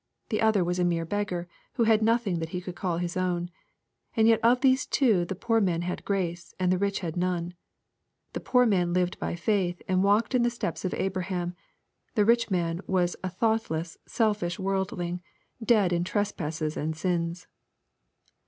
'* The other was a mere *^ beggar," who had nothing that he could call his own. And yet of these two the poor man had grace, and the rich had none. The poor man lived by faith, and walked in the steps of Abraham. The rich man was a thoughtless, selfish worldling, dead in trespasses and sins.